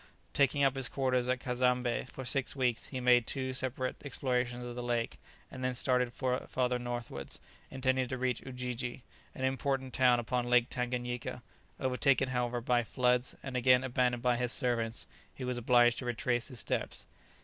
Taking up his quarters at Cazembé for six weeks, he made two separate explorations of the lake, and then started farther northwards, intending to reach Ujiji, an important town upon Lake Tanganyika; overtaken, however, by floods, and again abandoned by his servants, he was obliged to retrace his steps.